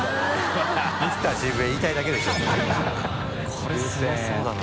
これすごそうだな。